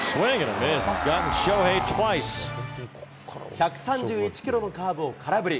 １３１キロのカーブを空振り。